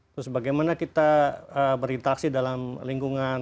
terus bagaimana kita berinteraksi dalam lingkungan